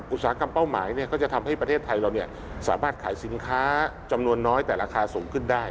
อุตสาหกรรมเป้าหมายก็จะทำให้ประเทศไทยเราสามารถขายสินค้าจำนวนน้อยแต่ราคาสูงขึ้นได้